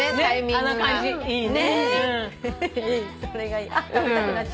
あの感じいいね。